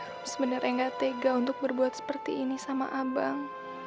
rom sebenernya gak tega untuk berbuat seperti ini sama abang